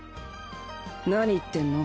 何言ってんの？